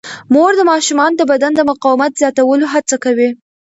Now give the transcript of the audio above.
مور د ماشومانو د بدن د مقاومت زیاتولو هڅه کوي.